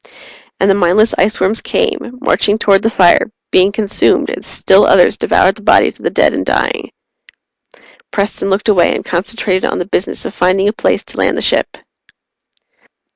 And the mindless iceworms came, marching toward the fire, being consumed, as still others devoured the bodies of the dead and dying. Preston looked away and concentrated on the business of finding a place to land the ship.